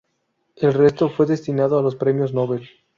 El resto fue destinado a los Premios Nobel.